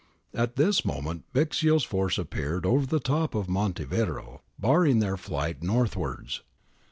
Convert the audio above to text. At this moment Bixio's force appeared over the top of Monte Viro, barring their flight northwards.